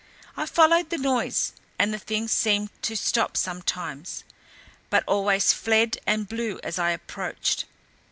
I followed the noise, and the thing seemed to stop sometimes, but always fled and blew as I approached.